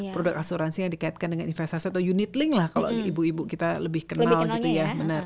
produk asuransi yang dikaitkan dengan investasi atau unit link lah kalau ibu ibu kita lebih kenal gitu ya